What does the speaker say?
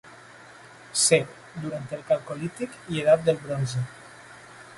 C, durant el calcolític i edat del bronze.